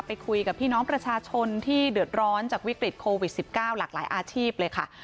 ไปคุยกับพี่น้องประชาชนที่เดือดร้อนจากวิกฤตโควิด๑๙หลากหลายอาชีพเลยค่ะ